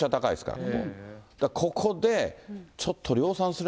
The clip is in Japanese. ここで、ちょっと量産するよ